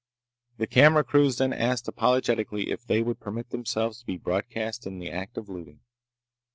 The camera crews then asked apologetically if they would permit themselves to be broadcast in the act of looting.